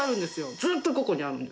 ずっとここにあるんです。